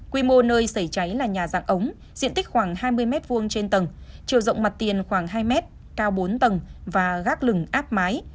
quy mô nơi xảy cháy là nhà dạng ống diện tích khoảng hai mươi m hai trên tầng chiều rộng mặt tiền khoảng hai mét cao bốn tầng và gác lừng áp mái